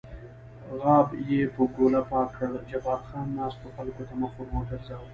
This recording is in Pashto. غاب یې په ګوله پاک کړ، جبار خان ناستو خلکو ته مخ ور وګرځاوه.